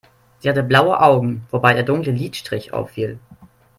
Sie hatte blaue Augen, wobei der dunkle Lidstrich auffiel.